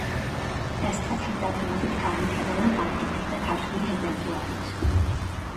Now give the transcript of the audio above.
დასტა თანდათანობით განვითარდა და გამდიდრდა ქართული რეპერტუარით.